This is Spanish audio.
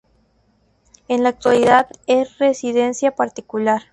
En la actualidad es residencia particular.